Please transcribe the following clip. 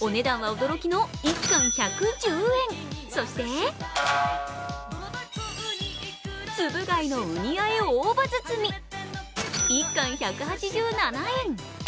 お値段は驚きの１貫１１０円、そしてつぶ貝のうに和え大葉包み１貫で１８７円。